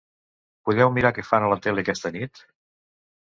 Podeu mirar què fan a la tele aquesta nit?